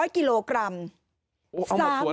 ๐กิโลกรัม